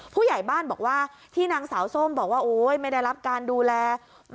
ผู้ใหญ่บ้านบอกว่าที่นางสาวส้มบอกว่าโอ๊ยไม่ได้รับการดูแล